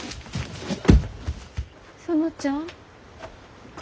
園ちゃん？